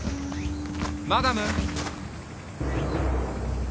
マダム。